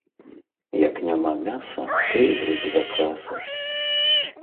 Як няма мяса, то і грыб закраса